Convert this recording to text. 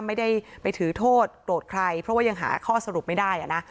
ไม่ได้ไปถือโทษโกรธใครเพราะว่ายังหาข้อสรุปไม่ได้อ่ะนะ